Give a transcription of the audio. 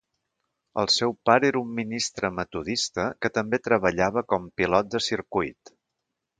El seu pare era un ministre metodista que també treballava com pilot de circuit.